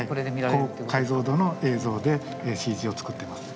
高解像度の映像でＣＧを作っています。